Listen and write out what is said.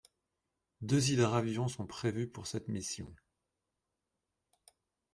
Deux hydravions sont prévus pour cette mission.